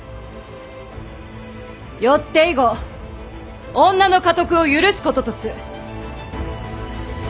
よって以後女の家督を許すこととす！